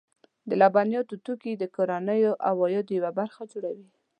د لبنیاتو توکي د کورنیو عوایدو یوه برخه جوړوي.